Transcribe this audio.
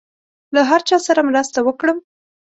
له هر چا سره مرسته وکړم.